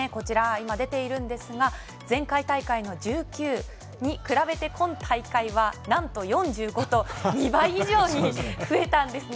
今、出ているんですが前回大会の１９に比べて今大会は何と４５と２倍以上に増えたんですね。